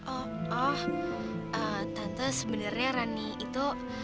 oh oh tante sebenarnya rani itu